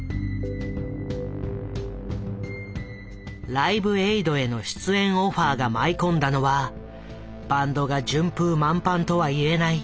「ライブエイド」への出演オファーが舞い込んだのはバンドが順風満帆とは言えない